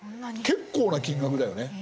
結構な金額だよね。